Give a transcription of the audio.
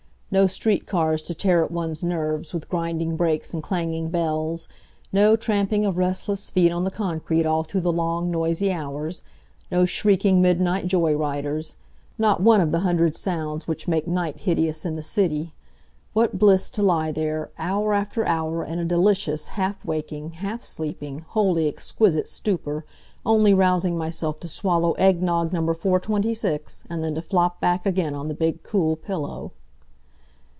No street cars to tear at one's nerves with grinding brakes and clanging bells; no tramping of restless feet on the concrete all through the long, noisy hours; no shrieking midnight joy riders; not one of the hundred sounds which make night hideous in the city. What bliss to lie there, hour after hour, in a delicious half waking, half sleeping, wholly exquisite stupor, only rousing myself to swallow egg nogg No. 426, and then to flop back again on the big, cool pillow!